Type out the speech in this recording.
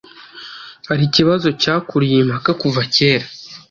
Hari ikibazo cyakuruye impaka kuva kera,